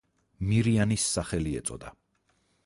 მირიანის სახელი ეწოდა.